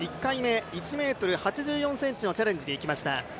１回目１ｍ８４ｃｍのチャレンジでいきました。